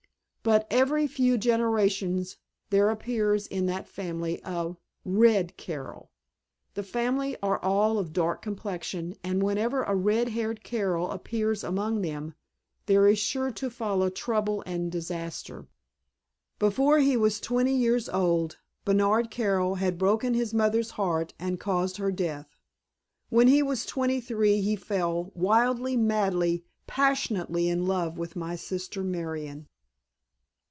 But every few generations there appears in that family a red Carroll. The family are all of dark complexion, and whenever a red haired Carroll appears among them there is sure to follow trouble and disaster. Before he was twenty years old Bernard Carroll had broken his mother's heart and caused her death. When he was twenty three he fell wildly, madly, passionately in love with my sister Marion."